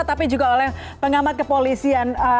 tapi juga oleh pengamat kepolisian